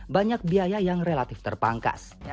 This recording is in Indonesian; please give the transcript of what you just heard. banyak biaya yang relatif terpangkas